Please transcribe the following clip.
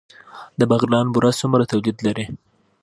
د بغلان بوره څومره تولید لري؟